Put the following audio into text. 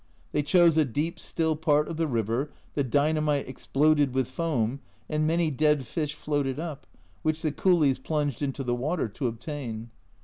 They chose a deep still part of the river, the dynamite exploded with foam, and many dead fish floated up, which the coolies plunged into the water to obtain.